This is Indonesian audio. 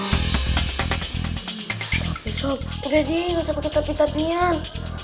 ya sob udah deh gak usah pakai tapian tapian